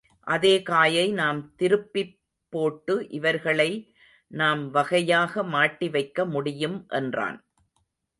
அதே காயை நாம் திருப்பிப் போட்டு இவர்களை நாம் வகையாக மாட்டி வைக்க முடியும் என்றான்.